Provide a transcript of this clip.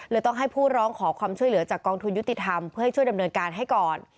ต้องให้ผู้ร้องขอความช่วยเหลือจากกองทุนยุติธรรมเพื่อให้ช่วยดำเนินการให้ก่อน